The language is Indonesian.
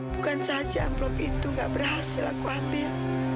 bukan saja ampul itu nggak berhasil aku ambil